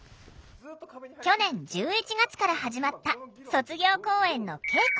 去年１１月から始まった卒業公演の稽古。